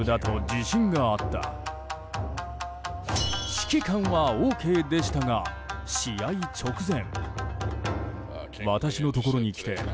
指揮官はＯＫでしたが試合直前。